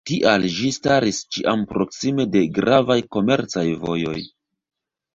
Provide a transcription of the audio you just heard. Tial ĝi staris ĉiam proksime de gravaj komercaj vojoj.